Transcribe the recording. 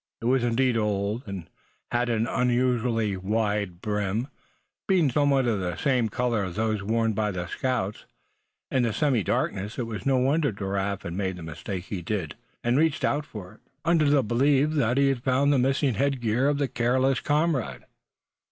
It was indeed old, and had an unusually wide brim. Being somewhat of the same color as those worn by the scouts, in the semi darkness it was no wonder Giraffe had made the mistake he did, and reached out for it, under the belief that he had found the missing head gear of the careless comrade.